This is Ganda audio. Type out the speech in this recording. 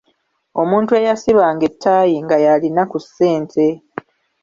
Omuntu eyasibanga ettaayi nga y'alina ku ssente